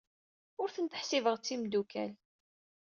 Ur tent-ḥsibeɣ d timeddukal.